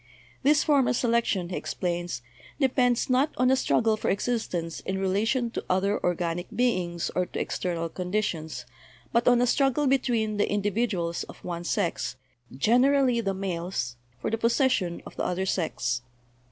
"This form of selection," he explains, "depends, not on a struggle for existence in relation to other organic beings, or to ex ternal conditions, but on a struggle between the individu als of one sex, generally the males, for the possession of the other sex.